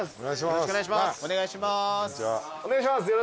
よろしくお願いします。